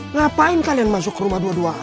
ngapain kalian masuk rumah dua duaan